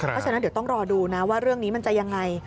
เพราะฉะนั้นเดี๋ยวต้องรอดูนะว่าเรื่องนี้มันจะยังไง